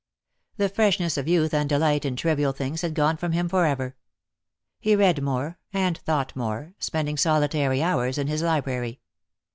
The freshness of youth and delight in trivial things had gone from him for ever. He read more, and thought more, spending solitary hours in his library.